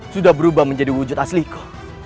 sudah berubah menjadi wujud asliku